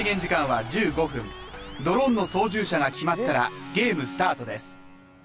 ドローンの操縦者が決まったらゲームスタートです